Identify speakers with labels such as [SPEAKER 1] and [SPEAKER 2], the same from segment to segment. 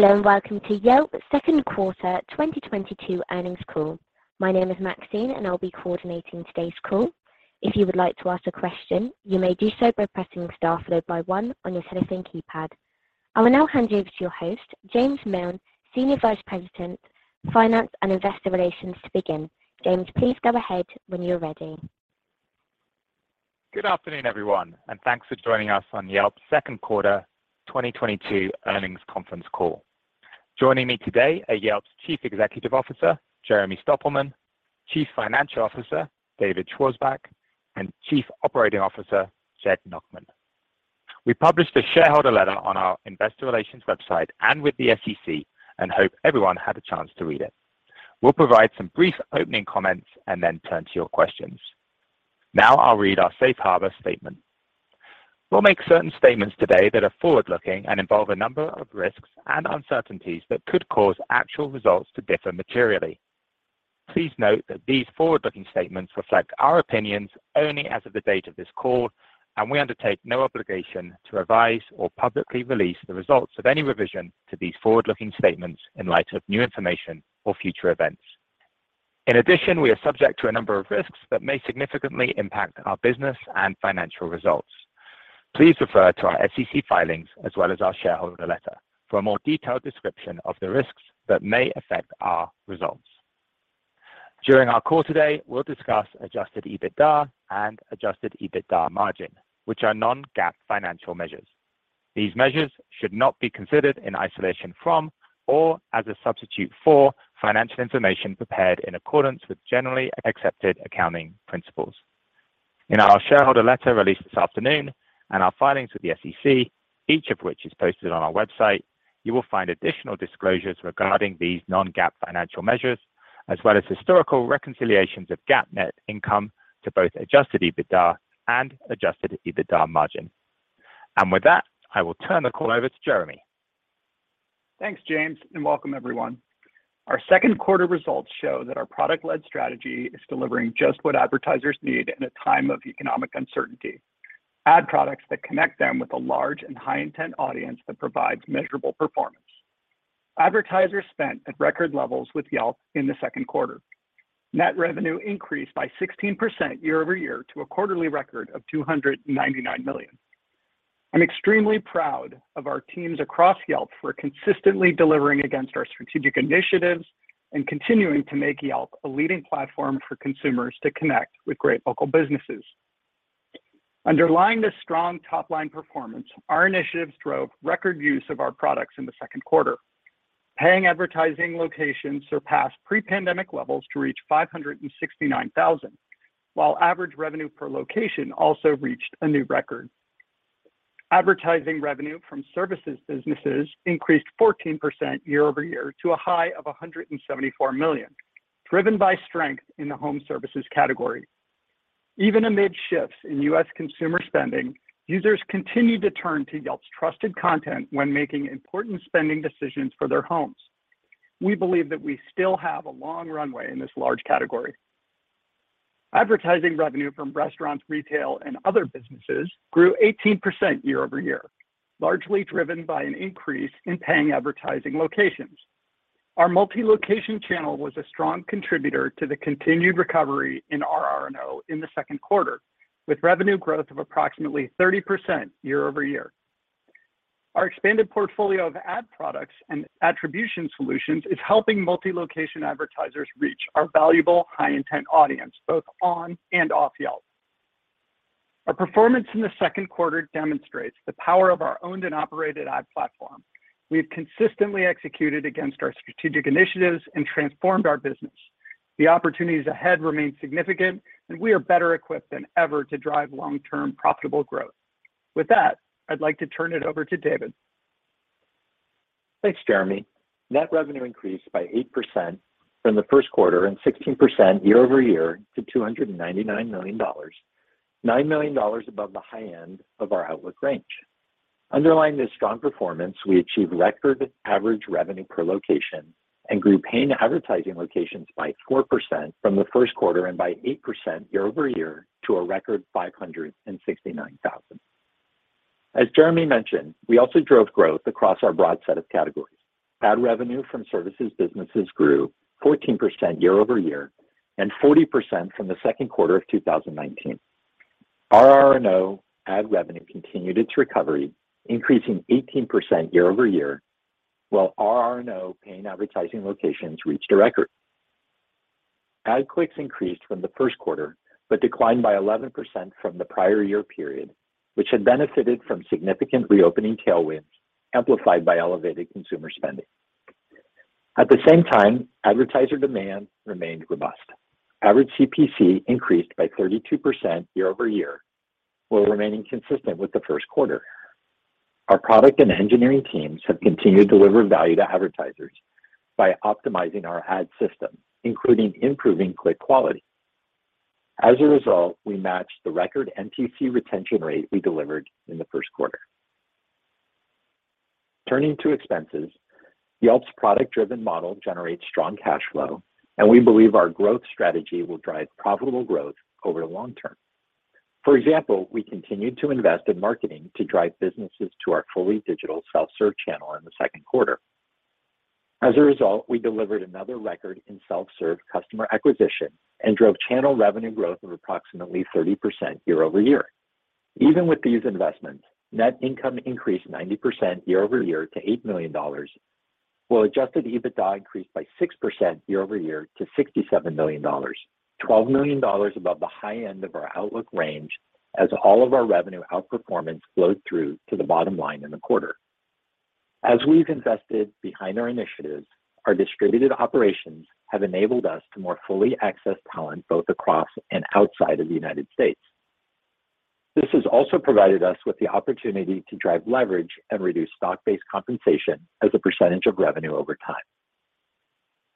[SPEAKER 1] Hello, and welcome to Yelp second quarter 2022 earnings call. My name is Maxine, and I'll be coordinating today's call. If you would like to ask a question, you may do so by pressing star followed by one on your telephone keypad. I will now hand you over to your host, James Miln, Senior Vice President, Finance and Investor Relations, to begin. James, please go ahead when you're ready.
[SPEAKER 2] Good afternoon, everyone, and thanks for joining us on Yelp's second quarter 2022 earnings conference call. Joining me today are Yelp's Chief Executive Officer, Jeremy Stoppelman, Chief Financial Officer, David Schwarzbach, and Chief Operating Officer, Jed Nachman. We published a shareholder letter on our investor relations website and with the SEC and hope everyone had a chance to read it. We'll provide some brief opening comments and then turn to your questions. Now I'll read our safe harbor statement. We'll make certain statements today that are forward-looking and involve a number of risks and uncertainties that could cause actual results to differ materially. Please note that these forward-looking statements reflect our opinions only as of the date of this call, and we undertake no obligation to revise or publicly release the results of any revision to these forward-looking statements in light of new information or future events. In addition, we are subject to a number of risks that may significantly impact our business and financial results. Please refer to our SEC filings as well as our shareholder letter for a more detailed description of the risks that may affect our results. During our call today, we'll discuss adjusted EBITDA and adjusted EBITDA margin, which are non-GAAP financial measures. These measures should not be considered in isolation from or as a substitute for financial information prepared in accordance with generally accepted accounting principles. In our shareholder letter released this afternoon and our filings with the SEC, each of which is posted on our website, you will find additional disclosures regarding these non-GAAP financial measures, as well as historical reconciliations of GAAP net income to both adjusted EBITDA and adjusted EBITDA margin. With that, I will turn the call over to Jeremy.
[SPEAKER 3] Thanks, James, and welcome everyone. Our second quarter results show that our product-led strategy is delivering just what advertisers need in a time of economic uncertainty. Ad products that connect them with a large and high intent audience that provides measurable performance. Advertisers spent at record levels with Yelp in the second quarter. Net revenue increased by 16% year-over-year to a quarterly record of $299 million. I'm extremely proud of our teams across Yelp for consistently delivering against our strategic initiatives and continuing to make Yelp a leading platform for consumers to connect with great local businesses. Underlying this strong top-line performance, our initiatives drove record use of our products in the second quarter. Paying advertising locations surpassed pre-pandemic levels to reach 569,000, while average revenue per location also reached a new record. Advertising revenue from services businesses increased 14% year-over-year to a high of $174 million, driven by strength in the home services category. Even amid shifts in U.S. consumer spending, users continued to turn to Yelp's trusted content when making important spending decisions for their homes. We believe that we still have a long runway in this large category. Advertising revenue from restaurants, retail, and other businesses grew 18% year-over-year, largely driven by an increase in paying advertising locations. Our multi-location channel was a strong contributor to the continued recovery in RR&O in the second quarter, with revenue growth of approximately 30% year-over-year. Our expanded portfolio of ad products and attribution solutions is helping multi-location advertisers reach our valuable high intent audience, both on and off Yelp. Our performance in the second quarter demonstrates the power of our owned and operated ad platform. We have consistently executed against our strategic initiatives and transformed our business. The opportunities ahead remain significant, and we are better equipped than ever to drive long-term profitable growth. With that, I'd like to turn it over to David.
[SPEAKER 4] Thanks, Jeremy. Net revenue increased by 8% from the first quarter and 16% year-over-year to $299 million, $9 million above the high end of our outlook range. Underlying this strong performance, we achieved record average revenue per location and grew paying advertising locations by 4% from the first quarter and by 8% year-over-year to a record 569,000. As Jeremy mentioned, we also drove growth across our broad set of categories. Ad revenue from services businesses grew 14% year-over-year, and 40% from the second quarter of 2019. RR&O ad revenue continued its recovery, increasing 18% year-over-year, while RR&O paying advertising locations reached a record. Ad clicks increased from the first quarter, but declined by 11% from the prior year period, which had benefited from significant reopening tailwinds amplified by elevated consumer spending. At the same time, advertiser demand remained robust. Average CPC increased by 32% year-over-year, while remaining consistent with the first quarter. Our product and engineering teams have continued delivering value to advertisers by optimizing our ad system, including improving click quality. As a result, we matched the record MTC retention rate we delivered in the first quarter. Turning to expenses, Yelp's product-driven model generates strong cash flow, and we believe our growth strategy will drive profitable growth over the long term. For example, we continued to invest in marketing to drive businesses to our fully digital self-serve channel in the second quarter. As a result, we delivered another record in self-serve customer acquisition and drove channel revenue growth of approximately 30% year-over-year. Even with these investments, net income increased 90% year-over-year to $8 million, while adjusted EBITDA increased by 6% year-over-year to $67 million, $12 million above the high end of our outlook range as all of our revenue outperformance flowed through to the bottom line in the quarter. As we've invested behind our initiatives, our distributed operations have enabled us to more fully access talent both across and outside of the United States. This has also provided us with the opportunity to drive leverage and reduce stock-based compensation as a percentage of revenue over time.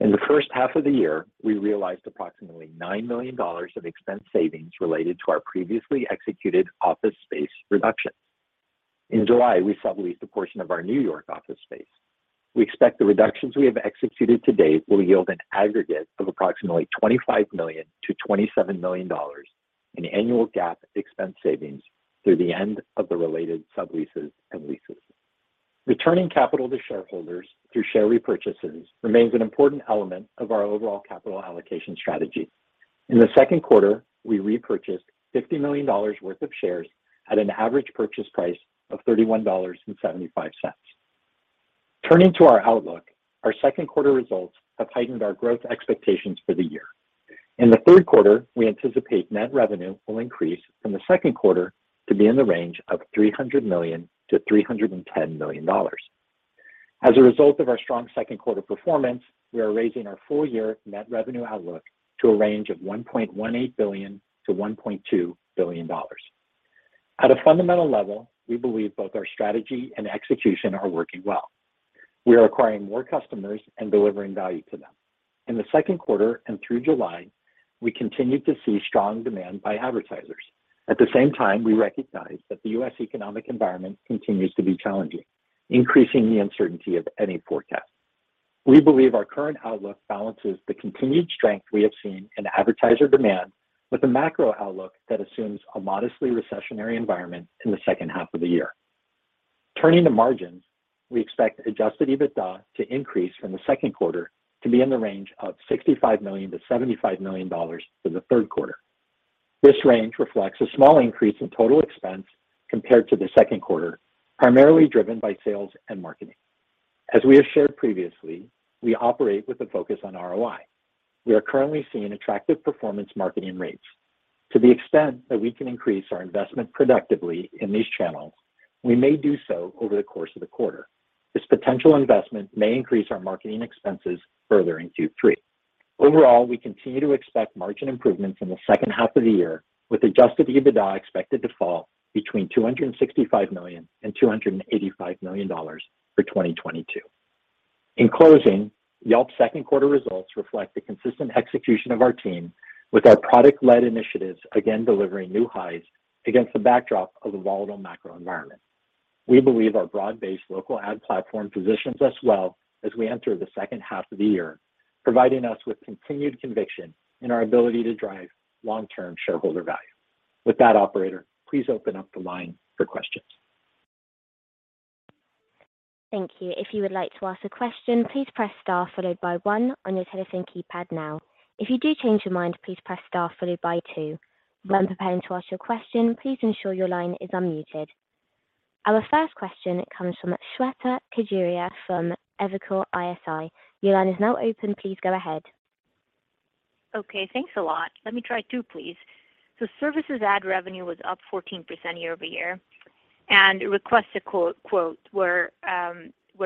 [SPEAKER 4] In the first half of the year, we realized approximately $9 million of expense savings related to our previously executed office space reductions. In July, we subleased a portion of our New York office space. We expect the reductions we have executed to date will yield an aggregate of approximately $25 million-$27 million in annual GAAP expense savings through the end of the related subleases and leases. Returning capital to shareholders through share repurchases remains an important element of our overall capital allocation strategy. In the second quarter, we repurchased $50 million worth of shares at an average purchase price of $31.75. Turning to our outlook, our second quarter results have heightened our growth expectations for the year. In the third quarter, we anticipate net revenue will increase from the second quarter to be in the range of $300 million-$310 million. As a result of our strong second quarter performance, we are raising our full-year net revenue outlook to a range of $1.18 billion-$1.2 billion. At a fundamental level, we believe both our strategy and execution are working well. We are acquiring more customers and delivering value to them. In the second quarter and through July, we continued to see strong demand by advertisers. At the same time, we recognize that the U.S. economic environment continues to be challenging, increasing the uncertainty of any forecast. We believe our current outlook balances the continued strength we have seen in advertiser demand with a macro outlook that assumes a modestly recessionary environment in the second half of the year. Turning to margins, we expect adjusted EBITDA to increase from the second quarter to be in the range of $65 million-$75 million for the third quarter. This range reflects a small increase in total expense compared to the second quarter, primarily driven by sales and marketing. As we have shared previously, we operate with a focus on ROI. We are currently seeing attractive performance marketing rates. To the extent that we can increase our investment productively in these channels, we may do so over the course of the quarter. This potential investment may increase our marketing expenses further in Q3. Overall, we continue to expect margin improvements in the second half of the year, with adjusted EBITDA expected to fall between $265 million and $285 million for 2022. In closing, Yelp's second quarter results reflect the consistent execution of our team, with our product-led initiatives again delivering new highs against the backdrop of the volatile macro environment. We believe our broad-based local ad platform positions us well as we enter the second half of the year, providing us with continued conviction in our ability to drive long-term shareholder value. With that, operator, please open up the line for questions.
[SPEAKER 1] Thank you. If you would like to ask a question, please press star followed by one on your telephone keypad now. If you do change your mind, please press star followed by two. When preparing to ask your question, please ensure your line is unmuted. Our first question comes from Shweta Khajuria from Evercore ISI. Your line is now open. Please go ahead.
[SPEAKER 5] Okay, thanks a lot. Let me try two, please. Services ad revenue was up 14% year-over-year, and Request a Quote were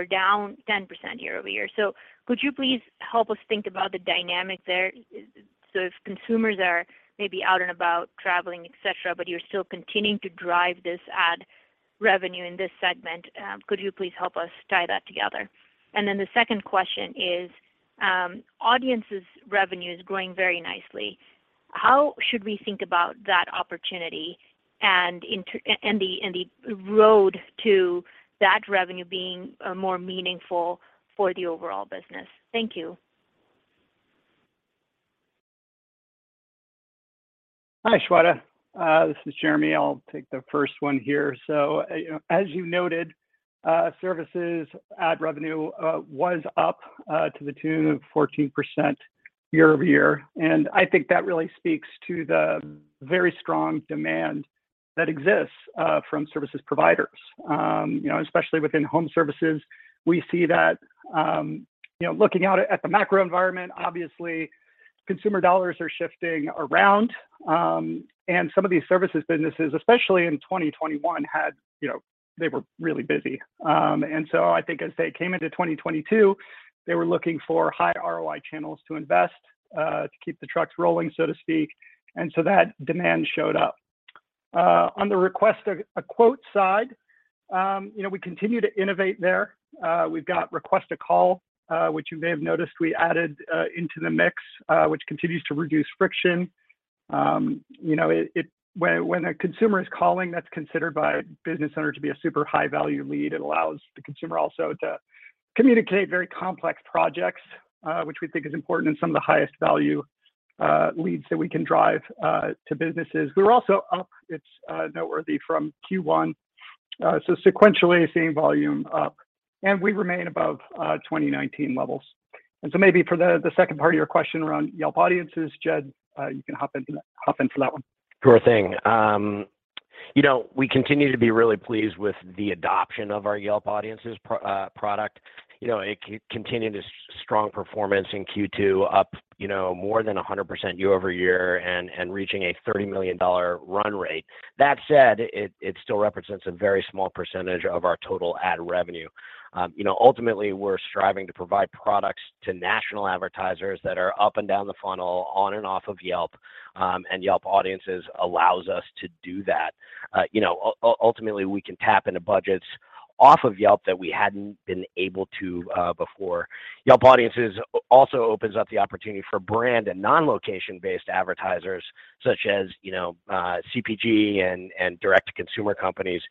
[SPEAKER 5] down 10% year-over-year. Could you please help us think about the dynamic there? If consumers are maybe out and about traveling, et cetera, but you're still continuing to drive this ad revenue in this segment, could you please help us tie that together? Then the second question is, Audiences revenue is growing very nicely. How should we think about that opportunity and the road to that revenue being more meaningful for the overall business? Thank you.
[SPEAKER 3] Hi, Shweta. This is Jeremy. I'll take the first one here. As you noted, services ad revenue was up to the tune of 14% year-over-year, and I think that really speaks to the very strong demand that exists from services providers. You know, especially within home services, we see that, you know, looking out at the macro environment, obviously consumer dollars are shifting around, and some of these services businesses, especially in 2021 had, you know, they were really busy. And so I think as they came into 2022, they were looking for high ROI channels to invest to keep the trucks rolling, so to speak, and so that demand showed up. On the Request a Quote side, you know, we continue to innovate there. We've got Request a Call, which you may have noticed we added into the mix, which continues to reduce friction. You know, when a consumer is calling, that's considered by a business owner to be a super high-value lead. It allows the consumer also to communicate very complex projects, which we think is important and some of the highest value leads that we can drive to businesses. We're also up. It's noteworthy from Q1. Sequentially seeing volume up, and we remain above 2019 levels. Maybe for the second part of your question around Yelp Audiences, Jed, you can hop into that one.
[SPEAKER 6] Sure thing. You know, we continue to be really pleased with the adoption of our Yelp Audiences product. You know, it continued its strong performance in Q2, up more than 100% year-over-year and reaching a $30 million run rate. That said, it still represents a very small percentage of our total ad revenue. You know, ultimately, we're striving to provide products to national advertisers that are up and down the funnel, on and off of Yelp, and Yelp Audiences allows us to do that. You know, ultimately, we can tap into budgets off of Yelp that we hadn't been able to before. Yelp Audiences also opens up the opportunity for brand and non-location-based advertisers such as, you know, CPG and direct-to-consumer companies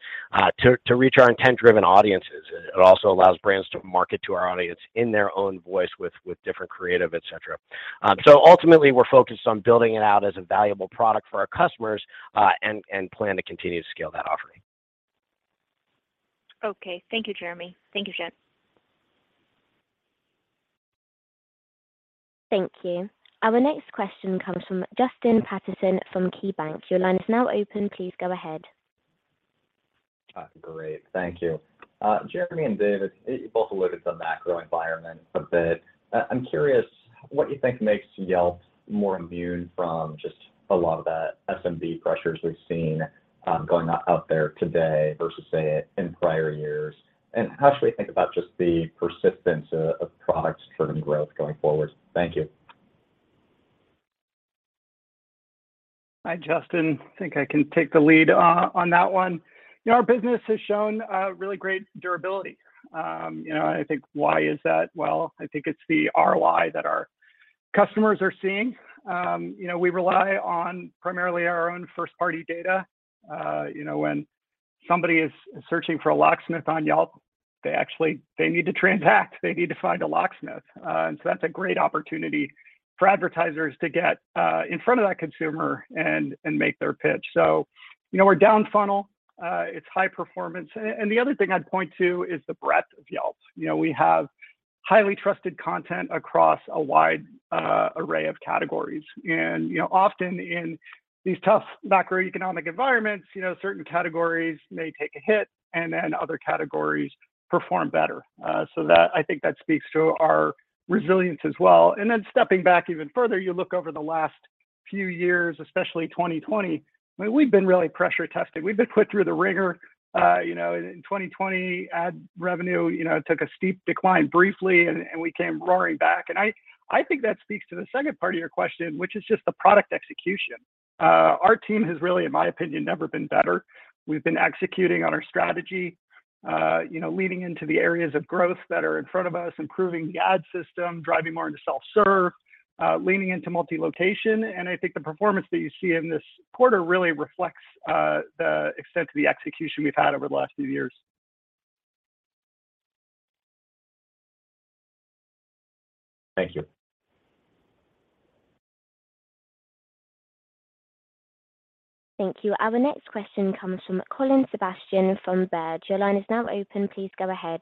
[SPEAKER 6] to reach our intent-driven audiences. It also allows brands to market to our audience in their own voice with different creative, et cetera. Ultimately, we're focused on building it out as a valuable product for our customers, and plan to continue to scale that offering.
[SPEAKER 5] Okay. Thank you, Jeremy. Thank you, Jed.
[SPEAKER 1] Thank you. Our next question comes from Justin Patterson from KeyBank. Your line is now open. Please go ahead.
[SPEAKER 7] Great. Thank you. Jeremy and David, you both looked at the macro environment a bit. I'm curious what you think makes Yelp more immune from just a lot of the SMB pressures we've seen, going out there today versus, say, in prior years. How should we think about just the persistence of products driving growth going forward? Thank you.
[SPEAKER 3] Hi, Justin. I think I can take the lead on that one. You know, our business has shown really great durability. You know, I think why is that? Well, I think it's the ROI that our customers are seeing. You know, we rely on primarily our own first-party data. You know, when somebody is searching for a locksmith on Yelp, they need to transact. They need to find a locksmith. That's a great opportunity for advertisers to get in front of that consumer and make their pitch. You know, we're down funnel, it's high performance. The other thing I'd point to is the breadth of Yelp. You know, we have highly trusted content across a wide array of categories. You know, often in these tough macroeconomic environments, you know, certain categories may take a hit, and then other categories perform better. So that I think that speaks to our resilience as well. Then stepping back even further, you look over the last few years, especially 2020, I mean, we've been really pressure testing. We've been put through the wringer. You know, in 2020, ad revenue, you know, took a steep decline briefly, and we came roaring back. I think that speaks to the second part of your question, which is just the product execution. Our team has really, in my opinion, never been better. We've been executing on our strategy, you know, leaning into the areas of growth that are in front of us, improving the ad system, driving more into self-serve, leaning into multi-location. I think the performance that you see in this quarter really reflects the extent of the execution we've had over the last few years.
[SPEAKER 7] Thank you.
[SPEAKER 1] Thank you. Our next question comes from Colin Sebastian from Baird. Your line is now open. Please go ahead.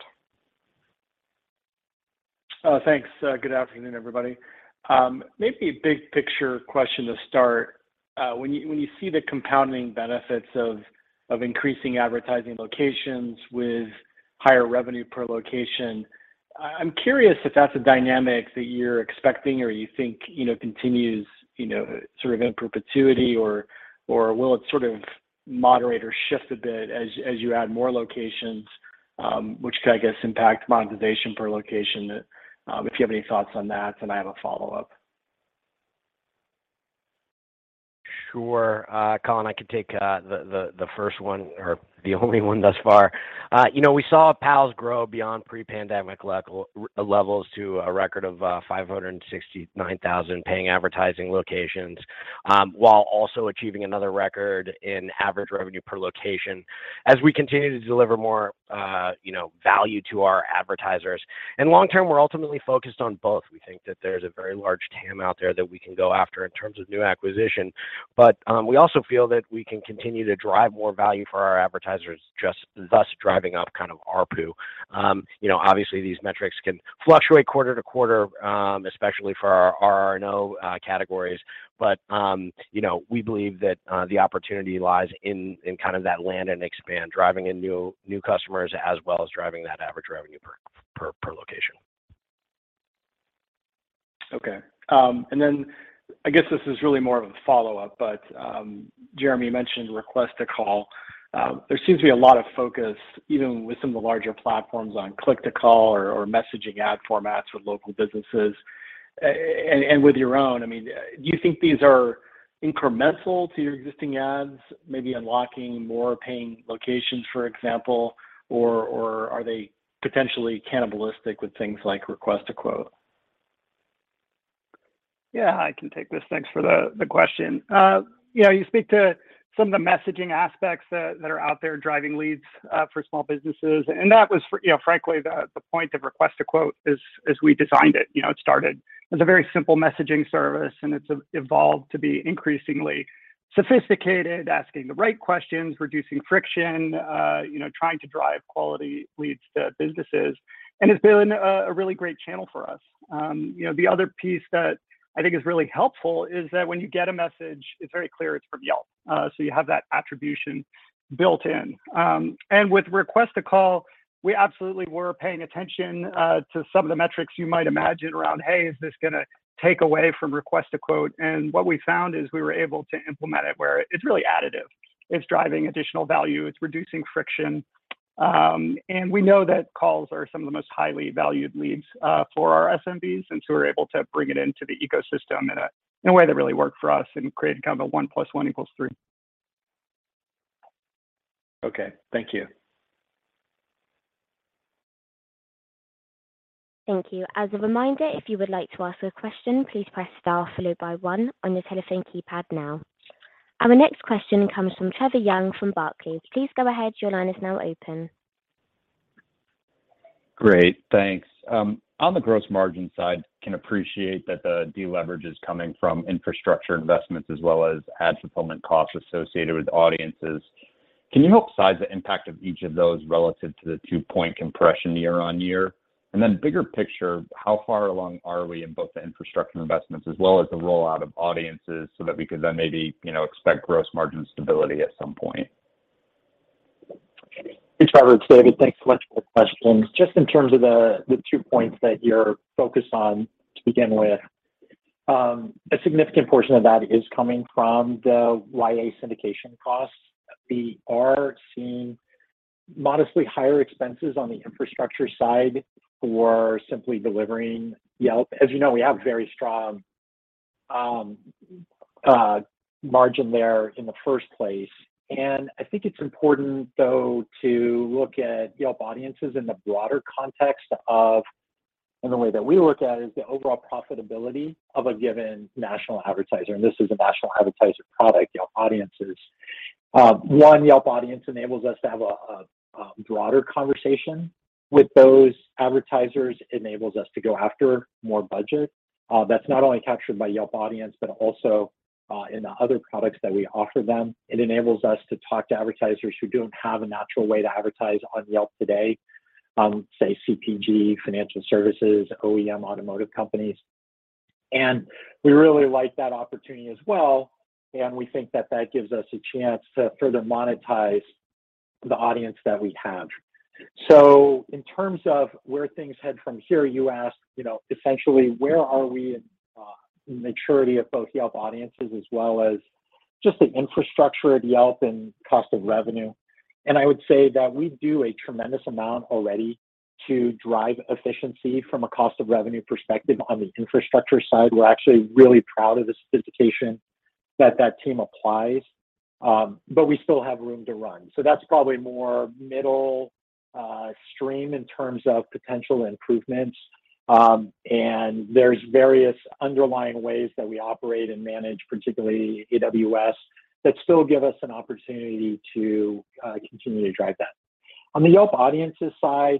[SPEAKER 8] Thanks. Good afternoon, everybody. Maybe a big-picture question to start. When you see the compounding benefits of increasing advertising locations with higher revenue per location, I'm curious if that's a dynamic that you're expecting or you think, you know, continues, you know, sort of in perpetuity, or will it sort of moderate or shift a bit as you add more locations, which could, I guess, impact monetization per location? If you have any thoughts on that, then I have a follow-up.
[SPEAKER 6] Sure. Colin, I can take the first one or the only one thus far. You know, we saw PALs grow beyond pre-pandemic levels to a record of 569,000 paying advertising locations, while also achieving another record in average revenue per location as we continue to deliver more value to our advertisers. Long term, we're ultimately focused on both. We think that there's a very large TAM out there that we can go after in terms of new acquisition. We also feel that we can continue to drive more value for our advertisers, just thus driving up kind of ARPU. You know, obviously these metrics can fluctuate quarter to quarter, especially for our RR&O categories. you know, we believe that the opportunity lies in kind of that land and expand, driving in new customers as well as driving that average revenue per location.
[SPEAKER 8] I guess this is really more of a follow-up, but, Jeremy, you mentioned Request a Call. There seems to be a lot of focus, even with some of the larger platforms, on click-to-call or messaging ad formats with local businesses and with your own. I mean, do you think these are incremental to your existing ads, maybe unlocking more paying locations, for example, or are they potentially cannibalistic with things like Request a Quote?
[SPEAKER 3] Yeah, I can take this. Thanks for the question. You know, you speak to some of the messaging aspects that are out there driving leads for small businesses, and that was, you know, frankly, the point of Request a Quote as we designed it. You know, it started as a very simple messaging service, and it's evolved to be increasingly. Sophisticated, asking the right questions, reducing friction, you know, trying to drive quality leads to businesses, and it's been a really great channel for us. You know, the other piece that I think is really helpful is that when you get a message, it's very clear it's from Yelp. You have that attribution built in. With Request a Call, we absolutely were paying attention to some of the metrics you might imagine around, hey, is this gonna take away from Request a Quote? What we found is we were able to implement it where it's really additive. It's driving additional value, it's reducing friction. We know that calls are some of the most highly valued leads for our SMBs, and so we're able to bring it into the ecosystem in a way that really worked for us and created kind of a one plus one equals three.
[SPEAKER 8] Okay. Thank you.
[SPEAKER 1] Thank you. As a reminder, if you would like to ask a question, please press star followed by one on your telephone keypad now. Our next question comes from Trevor Young from Barclays. Please go ahead, your line is now open.
[SPEAKER 9] Great, thanks. On the gross margin side, can appreciate that the deleverage is coming from infrastructure investments as well as ad fulfillment costs associated with audiences. Can you help size the impact of each of those relative to the 2-point compression year-over-year? Bigger picture, how far along are we in both the infrastructure investments as well as the rollout of audiences so that we could then maybe, you know, expect gross margin stability at some point?
[SPEAKER 4] Hey, Trevor, it's David. Thanks so much for the questions. Just in terms of the two points that you're focused on to begin with, a significant portion of that is coming from the YA syndication costs. We are seeing modestly higher expenses on the infrastructure side for simply delivering Yelp. As you know, we have very strong margin there in the first place. I think it's important though to look at Yelp Audiences in the broader context of and the way that we look at is the overall profitability of a given national advertiser, and this is a national advertiser product, Yelp Audiences. Yelp Audiences enables us to have a broader conversation with those advertisers. It enables us to go after more budget, that's not only captured by Yelp Audiences, but also, in the other products that we offer them. It enables us to talk to advertisers who don't have a natural way to advertise on Yelp today, say CPG, financial services, OEM automotive companies. We really like that opportunity as well, and we think that that gives us a chance to further monetize the audience that we have. In terms of where things head from here, you asked, you know, essentially where are we in maturity of both Yelp Audiences as well as just the infrastructure of Yelp and cost of revenue. I would say that we do a tremendous amount already to drive efficiency from a cost of revenue perspective on the infrastructure side. We're actually really proud of the sophistication that team applies, but we still have room to run. That's probably more midstream in terms of potential improvements. There's various underlying ways that we operate and manage, particularly AWS, that still give us an opportunity to continue to drive that. On the Yelp Audiences side,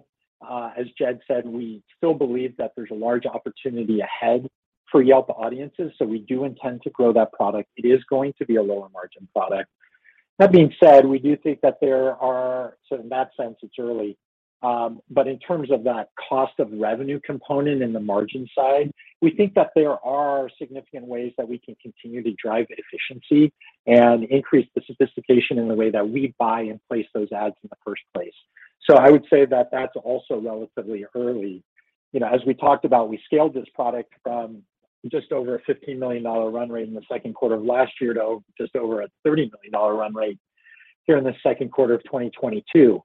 [SPEAKER 4] as Jed said, we still believe that there's a large opportunity ahead for Yelp Audiences, so we do intend to grow that product. It is going to be a lower margin product. That being said, we do think that there are. In that sense, it's early. In terms of that cost of revenue component in the margin side, we think that there are significant ways that we can continue to drive efficiency and increase the sophistication in the way that we buy and place those ads in the first place. I would say that that's also relatively early. You know, as we talked about, we scaled this product from just over a $15 million run rate in the second quarter of last year to just over a $30 million run rate here in the second quarter of 2022.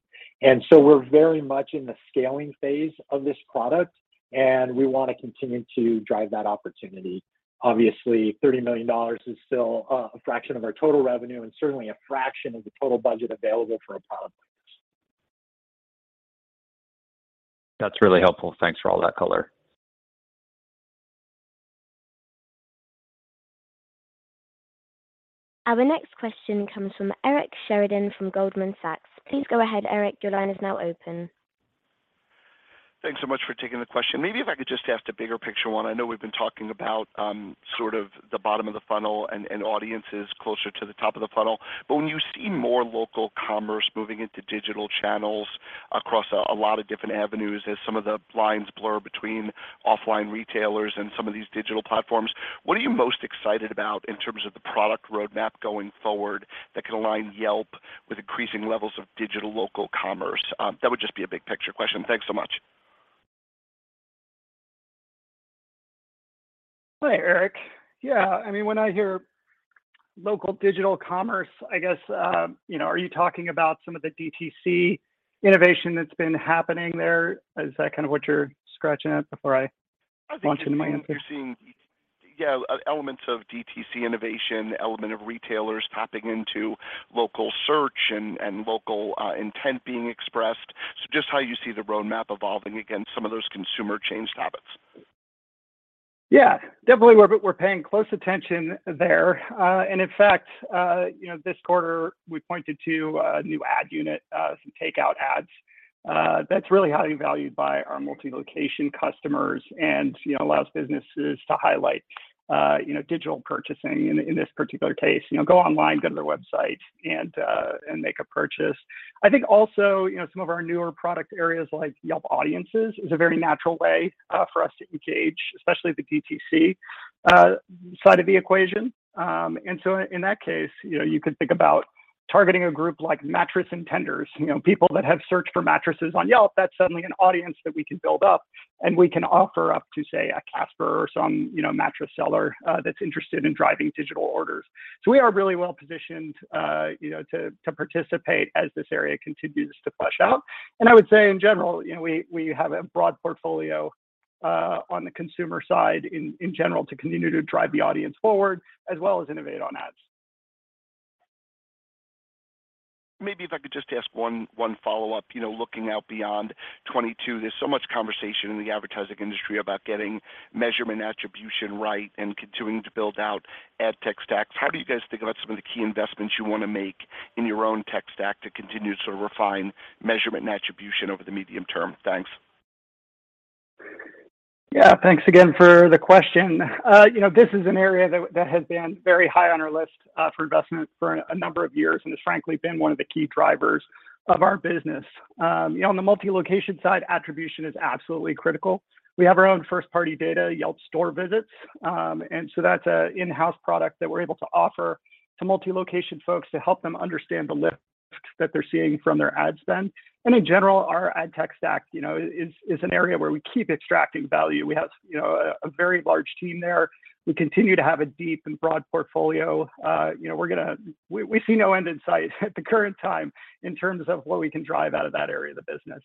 [SPEAKER 4] We're very much in the scaling phase of this product, and we wanna continue to drive that opportunity. Obviously, $30 million is still a fraction of our total revenue and certainly a fraction of the total budget available for a product like this.
[SPEAKER 9] That's really helpful. Thanks for all that color.
[SPEAKER 1] Our next question comes from Eric Sheridan from Goldman Sachs. Please go ahead, Eric. Your line is now open.
[SPEAKER 10] Thanks so much for taking the question. Maybe if I could just ask a bigger picture one. I know we've been talking about sort of the bottom of the funnel and audiences closer to the top of the funnel. When you see more local commerce moving into digital channels across a lot of different avenues as some of the lines blur between offline retailers and some of these digital platforms, what are you most excited about in terms of the product roadmap going forward that can align Yelp with increasing levels of digital local commerce? That would just be a big picture question. Thanks so much.
[SPEAKER 3] Hi, Eric. Yeah. I mean, when I hear local digital commerce, I guess, you know, are you talking about some of the DTC innovation that's been happening there? Is that kind of what you're scratching at before I launch into my answer?
[SPEAKER 10] I think you're seeing, yeah, elements of DTC innovation, element of retailers tapping into local search and local intent being expressed. Just how you see the roadmap evolving against some of those consumer change habits.
[SPEAKER 3] Yeah, definitely we're paying close attention there. In fact, you know, this quarter we pointed to a new ad unit, some takeout ads. That's really highly valued by our multi-location customers and, you know, allows businesses to highlight, you know, digital purchasing in this particular case. You know, go online, go to their website and make a purchase. I think als ]o, you know, some of our newer product areas like Yelp Audiences is a very natural way for us to engage, especially the DTC side of the equation. In that case, you know, you could think about targeting a group like mattress intenders. You know, people that have searched for mattresses on Yelp, that's suddenly an audience that we can build up and we can offer up to, say, a Casper or some, you know, mattress seller, that's interested in driving digital orders. So we are really well-positioned, you know, to participate as this area continues to flesh out. I would say in general, you know, we have a broad portfolio on the consumer side in general to continue to drive the audience forward as well as innovate on ads.
[SPEAKER 10] Maybe if I could just ask one follow-up. You know, looking out beyond 2022, there's so much conversation in the advertising industry about getting measurement attribution right and continuing to build out ad tech stacks. How do you guys think about some of the key investments you wanna make in your own tech stack to continue to sort of refine measurement and attribution over the medium term? Thanks.
[SPEAKER 3] Yeah. Thanks again for the question. You know, this is an area that has been very high on our list for investment for a number of years and has frankly been one of the key drivers of our business. You know, on the multi-location side, attribution is absolutely critical. We have our own first-party data, Yelp Store Visits. That's an in-house product that we're able to offer to multi-location folks to help them understand the lift that they're seeing from their ad spend. In general, our ad tech stack, you know, is an area where we keep extracting value. We have, you know, a very large team there. We continue to have a deep and broad portfolio. You know, we're gonna. We see no end in sight at the current time in terms of what we can drive out of that area of the business.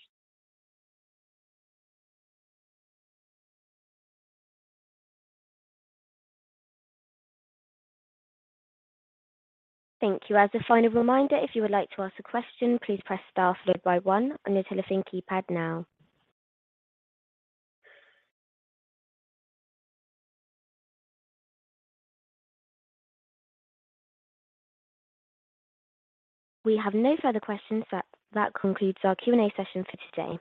[SPEAKER 1] Thank you. As a final reminder, if you would like to ask a question, please press star followed by 1 on your telephone keypad now. We have no further questions, so that concludes our Q&A session for today.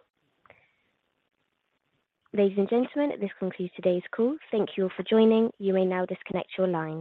[SPEAKER 1] Ladies and gentlemen, this concludes today's call. Thank you all for joining. You may now disconnect your line.